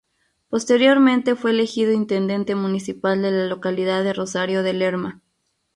Posteriormente fue elegido intendente municipal de la localidad de Rosario de Lerma.